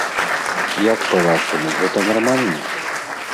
Як па-вашаму, гэта нармальна?